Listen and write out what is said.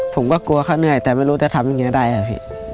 ผมก็กลัวเขาเหนื่อยแต่ไม่รู้จะทำอย่างนี้ได้ครับพี่